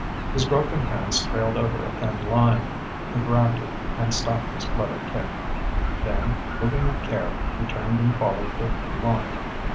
His groping hands trailed over a thin line. He grabbed it, and stopped his flutter kick. Then, moving with care, he turned and followed the line.